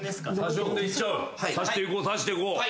さしていこうさしていこう。